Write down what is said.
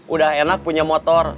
udah enak punya motor